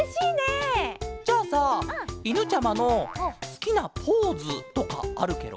じゃあさいぬちゃまのすきなポーズとかあるケロ？